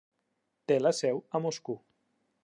Té la seu a Moscou.